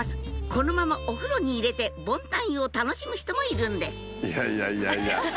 このままお風呂に入れてボンタン湯を楽しむ人もいるんですいやいやいやいや。